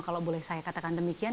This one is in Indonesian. kalau boleh saya katakan demikian